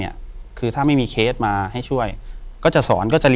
อยู่ที่แม่ศรีวิรัยิลครับ